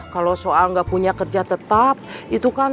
kalau soal gak punya kerjaan tetap itu kan